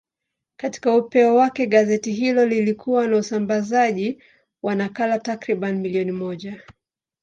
Katika upeo wake, gazeti hilo lilikuwa na usambazaji wa nakala takriban milioni moja.